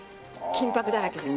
金箔だらけです。